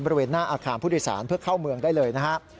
บริเวณหน้าอาคารผู้โดยสารเพื่อเข้าเมืองได้เลยนะครับ